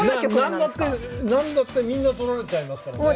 何だって何だってみんな取られちゃいますからねえ。